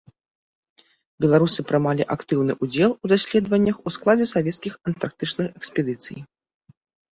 Беларусы прымалі актыўны ўдзел у даследваннях у складзе савецкіх антарктычных экспедыцый.